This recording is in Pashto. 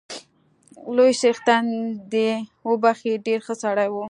لوی څښتن دې يې وبخښي، ډېر ښه سړی وو